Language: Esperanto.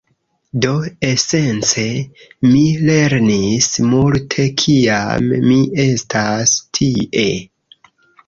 Do, esence, mi lernis multe kiam mi estas tie